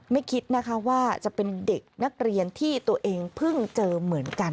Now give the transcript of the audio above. ไม่คิดนะคะว่าจะเป็นเด็กนักเรียนที่ตัวเองเพิ่งเจอเหมือนกัน